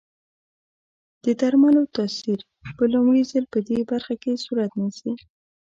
د درملو تاثیر په لومړي ځل پدې برخه کې صورت نیسي.